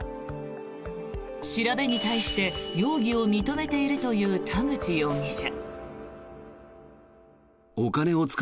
調べに対して容疑を認めているという田口容疑者。